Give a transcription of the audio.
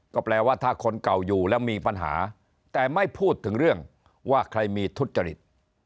ก็แปลว่าถ้าคนเก่าอยู่แล้วมีปัญหาแต่ไม่พูดถึงเรื่องว่าใครมีทุจริต